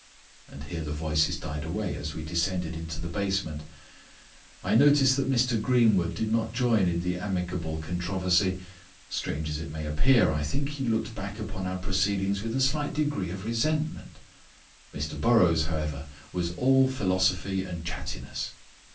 And here the voices died away as we descended into the basement. I noticed that Mr Greenwood did not join in the amicable controversy. Strange as it may appear, I think he looked back upon our proceedings with a slight degree of resentment. Mr Burrows, however, was all philosophy and chattiness.